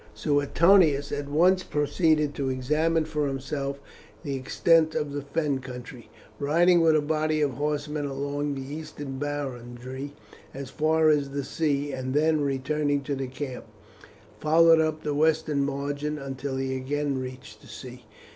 Suetonius at once proceeded to examine for himself the extent of the Fen country, riding with a body of horsemen along the eastern boundary as far as the sea, and then, returning to the camp, followed up the western margin until he again reached the sea.